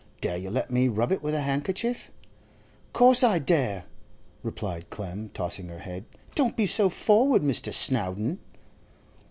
Dare you let me rub it with a handkerchief?' 'Course I dare,' replied Clem, tossing her head. 'Don't be so forward, Mr. Snowdon.